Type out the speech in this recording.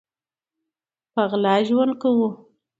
په غلا ژوند کوو